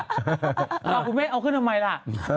เอาคุณแม่เอาขึ้นทำไมล่ะ